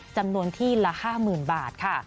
จำนวนที่ละ๕๐๐๐บาทค่ะ